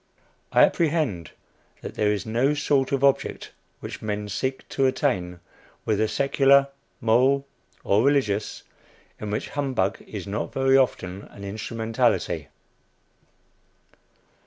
I apprehend that there is no sort of object which men seek to attain, whether secular, moral or religious, in which humbug is not very often an instrumentality.